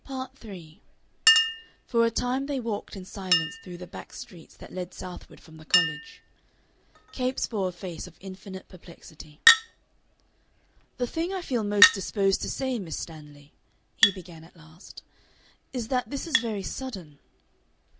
Part 3 For a time they walked in silence through the back streets that lead southward from the College. Capes bore a face of infinite perplexity. "The thing I feel most disposed to say, Miss Stanley," he began at last, "is that this is very sudden."